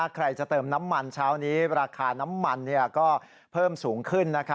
ใครจะเติมน้ำมันเช้านี้ราคาน้ำมันก็เพิ่มสูงขึ้น